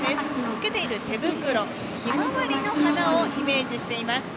つけている手袋、ひまわりの花をイメージしています。